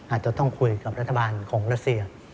อาจจะต้องคุยกับรัฐบาลของรัสเซีย